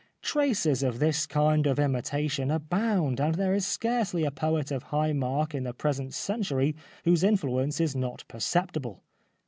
*' Traces of this kind of imitation abound, and there is scarcely a poet of high mark in the present century whose influence is not per ceptible."